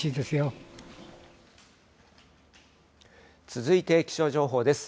続いて気象情報です。